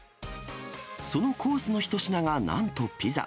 そのコースの一品がなんとピザ。